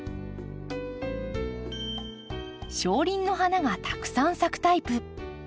小輪の花がたくさん咲くタイプ。